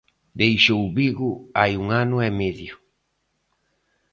Deixou Vigo hai un ano e medio.